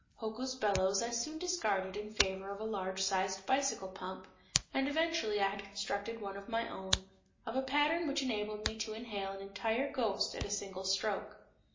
Hoku's bellows I soon discarded in favor of a large sized bicycle pump, and eventually I had constructed one of my own, of a pattern which enabled me to inhale an entire ghost at a single stroke.